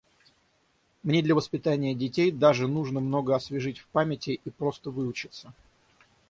Мне для воспитания детей даже нужно много освежить в памяти и просто выучиться.